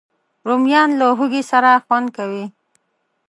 رومیان له هوږې سره خوند کوي